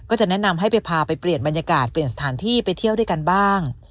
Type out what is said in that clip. จะแนะนำให้ไปพาไปเปลี่ยนบรรยากาศเปลี่ยนสถานที่ไปเที่ยวด้วยกันบ้าง